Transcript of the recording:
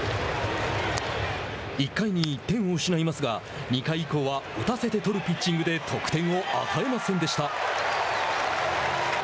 １回に１点を失いますが２回以降は打たせて取るピッチングで得点を与えませんでした。